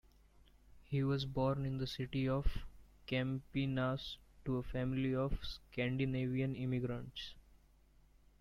He was born in the city of Campinas to a family of Scandinavian immigrants.